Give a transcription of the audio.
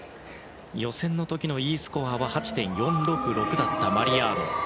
予選の時のＥスコアは８．４６６だったマリアーノ。